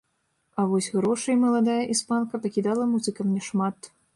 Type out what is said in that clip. А вось грошай маладая іспанка пакідала музыкам няшмат.